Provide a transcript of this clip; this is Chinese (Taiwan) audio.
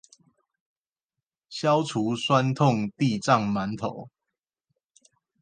消除痠痛地藏饅頭